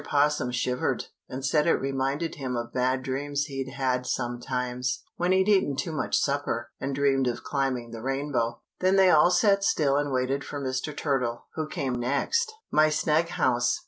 'Possum shivered, and said it reminded him of bad dreams he'd had sometimes, when he'd eaten too much supper, and dreamed of climbing the rainbow. Then they all sat still and waited for Mr. Turtle, who came next. MY SNUG HOUSE.